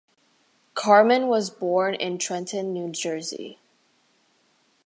Carman was born in Trenton, New Jersey.